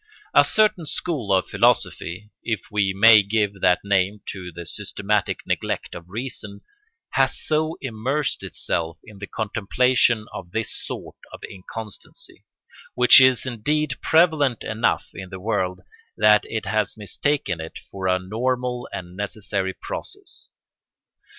A certain school of philosophy—if we may give that name to the systematic neglect of reason—has so immersed itself in the contemplation of this sort of inconstancy, which is indeed prevalent enough in the world, that it has mistaken it for a normal and necessary process.